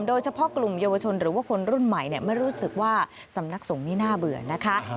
โดยเฉพาะกลุ่มเยาวชนหรือว่าคนรุ่นใหม่ไม่รู้สึกว่าสำนักสงฆ์นี้น่าเบื่อนะคะ